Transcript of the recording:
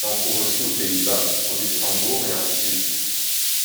On en trouve aussi aux Pays-Bas, au Luxembourg et en Suisse.